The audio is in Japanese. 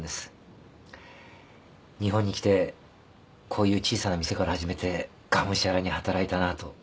日本に来てこういう小さな店から始めてがむしゃらに働いたなぁと。